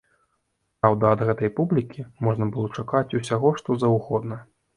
Праўда, ад гэтай публікі можна было чакаць усяго што заўгодна.